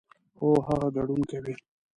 هو، هغه ګډون کوي